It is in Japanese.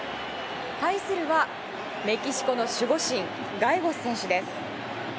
対するはメキシコの守護神ガエゴス選手です。